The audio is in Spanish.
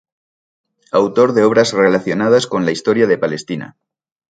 Autor de obras relacionadas con la historia de Palestina.